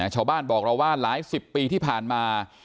ชาวบ้านบอกเราว่าหลายสิบปีที่ผ่านมา